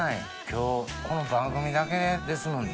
今日この番組だけですもんね。